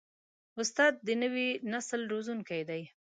استاد د نوي نسل روزونکی دی.